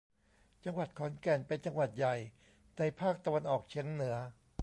จังหวัดขอนแก่น เป็นจังหวัดใหญ่ในภาคตะวันออกเฉียงเหนือ